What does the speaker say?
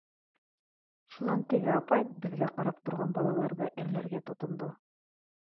Шунан теге апай беҙгә ҡарап торған балаларҙы әрләргә тотондо: